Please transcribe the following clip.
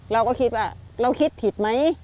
เราก็คิดว่าเราคิดผิดไหม